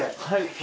はい。